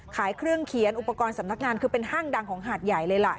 ขายเครื่องเขียนอุปกรณ์สำนักงานคือเป็นห้างดังของหาดใหญ่เลยล่ะ